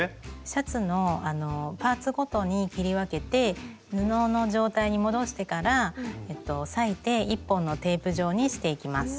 シャツのパーツごとに切り分けて布の状態に戻してから裂いて１本のテープ状にしていきます。